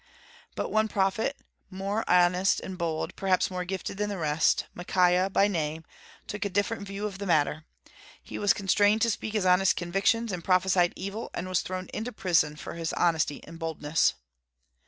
But one prophet, more honest and bold perhaps more gifted than the rest, Micaiah by name, took a different view of the matter. He was constrained to speak his honest convictions, and prophesied evil, and was thrown into prison for his honesty and boldness.